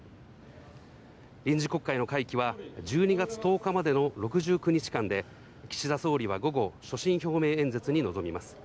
臨時国会の会期は１２月１０日までの６９日間で、岸田総理は午後、所信表明演説に臨みます。